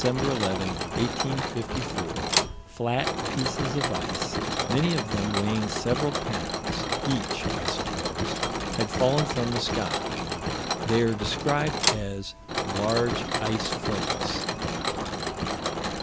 11, 1854, flat pieces of ice, many of them weighing several pounds each, I suppose had fallen from the sky. They are described as "large ice flakes."